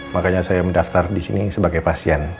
makanya saya mendaftar di sini sebagai pasien